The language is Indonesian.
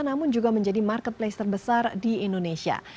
namun juga menjadi marketplace terbesar di indonesia